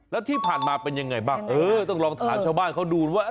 แล้วที่ผ่านมาเป็นยังไงบ้างเออต้องลองถามชาวบ้านเขาดูว่า